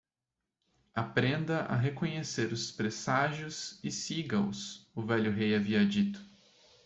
"Aprenda a reconhecer os presságios? e siga-os?", o velho rei havia dito.